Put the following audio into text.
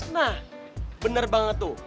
nah bener banget tuh